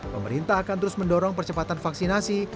pemerintah akan terus mendorong percepatan vaksinasi